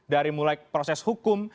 dari mulai proses hukum